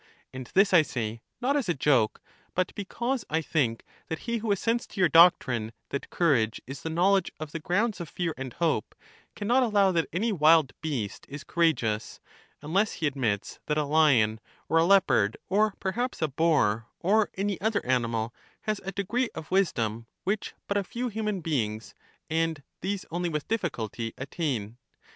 And this I say not as a joke, but be LACHES 113 cause I think that he who assents to your doctrine, that courage is the knowledge of the grounds of fear and hope, can not allow that any wild beast is coura geous, unless he admits that a lion, or a leopard, or perhaps a boar, or any other animal, has a degree of wisdom which but a few human beings, and these only with difficulty, attain.